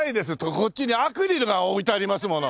こっちにアクリルが置いてありますもの。